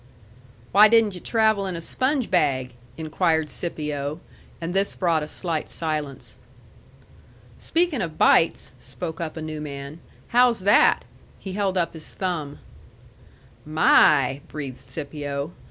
"Why didn't yu' travel in a sponge bag?" inquired Scipio. And this brought a slight silence. "Speakin' of bites," spoke up a new man, "how's that?" He held up his thumb. "My!" breathed Scipio.